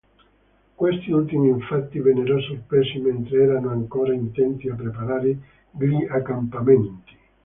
Questi ultimi infatti vennero sorpresi mentre erano ancora intenti a preparare gli accampamenti.